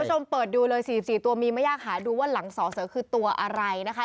เปิดดูเลย๔๔ตัวมีไม่ยากหาดูว่าหลังสอเสือคือตัวอะไรนะคะ